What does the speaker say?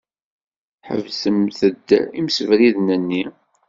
Tḥebsemt-d imsebriden-nni.